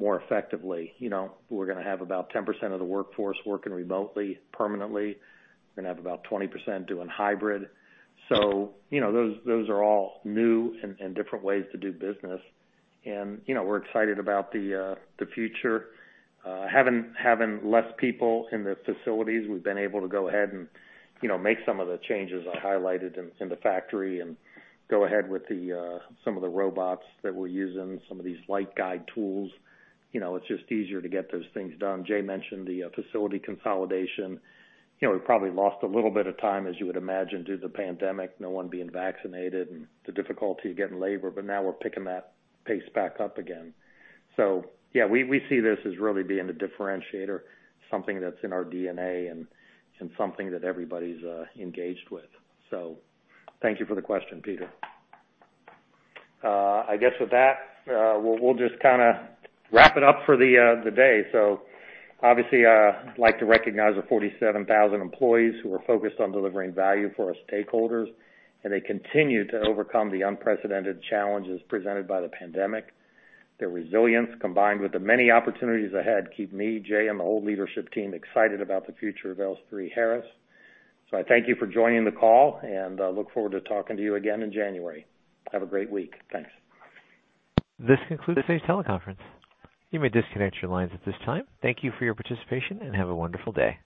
effectively. You know, we're gonna have about 10% of the workforce working remotely, permanently. We're gonna have about 20% doing hybrid. You know, those are all new and different ways to do business. You know, we're excited about the future. Having less people in the facilities, we've been able to go ahead and, you know, make some of the changes I highlighted in the factory and go ahead with some of the robots that we're using, some of these light guide tools. You know, it's just easier to get those things done. Jay mentioned the facility consolidation. You know, we probably lost a little bit of time, as you would imagine, due to the pandemic, no one being vaccinated and the difficulty getting labor, but now we're picking that pace back up again. Yeah, we see this as really being a differentiator, something that's in our DNA and something that everybody's engaged with. Thank you for the question, Peter. I guess with that, we'll just kinda wrap it up for the day. Obviously, I'd like to recognize the 47,000 employees who are focused on delivering value for our stakeholders, and they continue to overcome the unprecedented challenges presented by the pandemic. Their resilience, combined with the many opportunities ahead, keep me, Jay, and the whole leadership team excited about the future of L3Harris. I thank you for joining the call, and I look forward to talking to you again in January. Have a great week. Thanks. This concludes today's teleconference. You may disconnect your lines at this time. Thank you for your participation, and have a wonderful day.